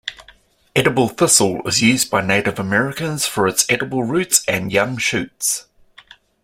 Edible thistle is used by Native Americans for its edible roots and young shoots.